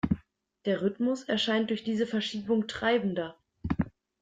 Der Rhythmus erscheint durch diese Verschiebung treibender.